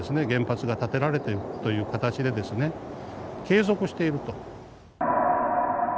原発が建てられていくという形でですね継続していると。